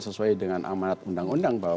sesuai dengan amanat undang undang bahwa